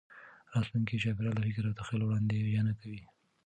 راتلونکي چاپېریال د فکر او تخیل وړاندوینه کوي.